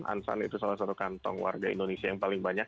ansan itu salah satu kantong warga indonesia yang paling banyak